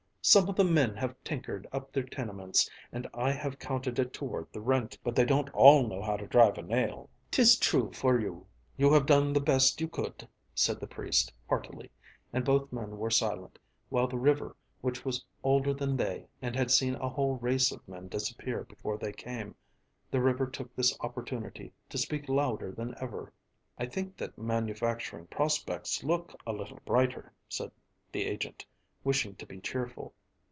"Some of the men have tinkered up their tenements and I have counted it toward the rent, but they don't all know how to drive a nail." "'Tis true for you; you have done the best you could," said the priest heartily, and both the men were silent, while the river, which was older than they and had seen a whole race of men disappear before they came the river took this opportunity to speak louder than ever. "I think that manufacturing prospects look a little brighter," said the agent, wishing to be cheerful.